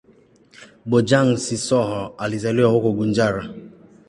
Bojang-Sissoho alizaliwa huko Gunjur.